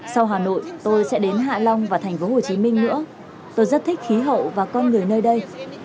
sau hà nội tôi sẽ đến hạ long và thành phố hồ chí minh nữa tôi rất thích khí hậu và con người nơi đây